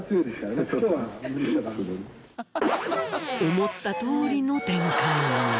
思ったとおりの展開に。